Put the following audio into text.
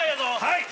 はい！